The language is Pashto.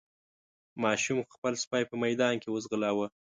ماشوم خپل سپی په ميدان کې وځغلاوه.